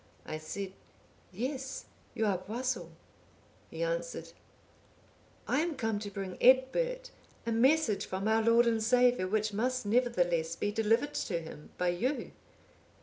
I said, 'Yes, you are Boisil.' He answered, 'I am come to bring Egbert a message from our Lord and Saviour, which must nevertheless be delivered to him by you.